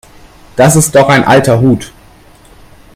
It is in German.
Das ist doch ein alter Hut.